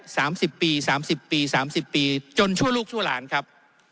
สามสิบปีสามสิบปีสามสิบปีจนชั่วลูกชั่วหลานครับ